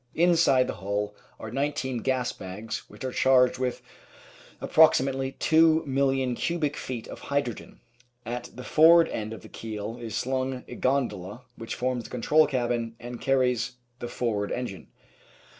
Inside the hull are 19 gas bags which are charged with approximately 2,000,000 862 The Outline of Science cubic feet of hydrogen. At the forward end of the keel is slung a gondola which forms the control cabin and carries the forward engine.